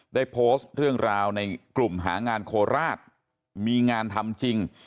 ได้โพสต์เรื่องราวในกลุ่มหางานโคราชมีงานทำจริง